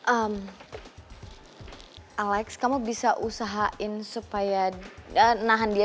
ehm alex kamu bisa usahain supaya nahan dia